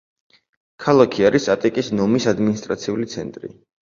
ქალაქი არის ატიკის ნომის ადმინისტრაციული ცენტრი.